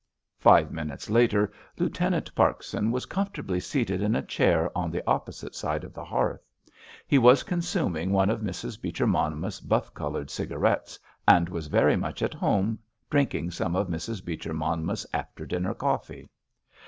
Five minutes later Lieutenant Parkson was comfortably seated in a chair on the opposite side of the hearth. He was consuming one of Mrs. Beecher Monmouth's buff coloured cigarettes, and was very much at home drinking some of Mrs. Beecher Monmouth's after dinner coffee.